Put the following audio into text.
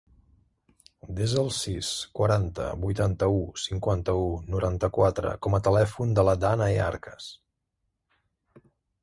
Desa el sis, quaranta, vuitanta-u, cinquanta-u, noranta-quatre com a telèfon de la Dànae Arcas.